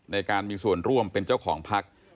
ในการมีส่วนร่วมเป็นเจ้าของพัก